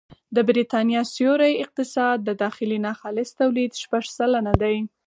د بریتانیا سیوري اقتصاد د داخلي ناخالص توليد شپږ سلنه دی